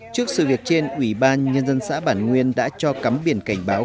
trước sự việc trên ủy ban nhân dân xã bản nguyên đã cho cắm biển cảnh báo